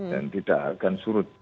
dan tidak akan suruh